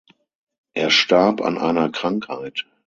Er starb an einer Krankheit.